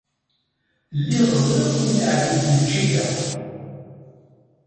Lliɣ ẓriɣ ad ken-teɛjeb tneččit-a.